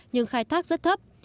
nhưng khai thác rất thấp